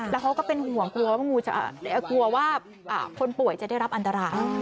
แล้วเขาก็เป็นห่วงกลัวว่าคนป่วยจะได้รับอันตราย